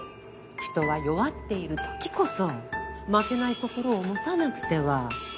人は弱っているときこそ負けない心を持たなくては。